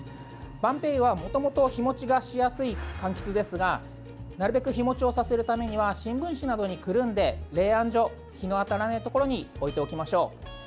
ばんぺいゆは、もともと日持ちがしやすいかんきつですがなるべく日持ちをさせるためには新聞紙などにくるんで冷暗所、日の当たらないところに置いておきましょう。